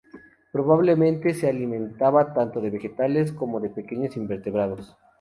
Probablemente se alimentaba tanto de vegetales como de pequeños invertebrados.